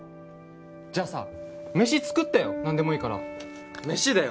じゃあさ飯作ってよ何でも飯だよ